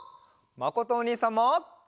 まことおにいさんも。